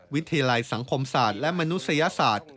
วิทยาลัยสังคมศาสตร์และมนุษยศาสตร์